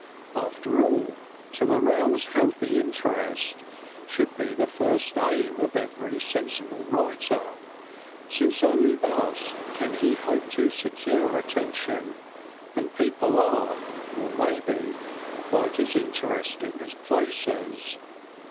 After all, to arouse healthy interest should be the first aim of every sensible writer, since only thus can he hope to secure attention, and people are, or may be, quite as interesting as places.